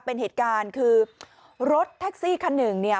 เป็นเหตุการณ์คือรถแท็กซี่คันหนึ่งเนี่ย